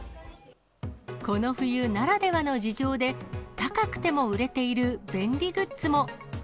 この冬ならではの事情で、高くても売れている便利グッズも。